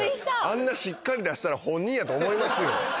あんなしっかり出したら本人やと思いますよ。